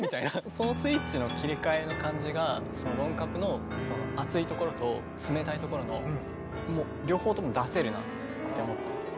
そのスイッチの切り替えの感じが「ロンカプ」のその熱いところと冷たいところの両方とも出せるなって思ったんですよね。